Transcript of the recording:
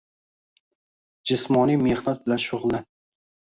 Jismoniy mehnat bilan shug‘ullan.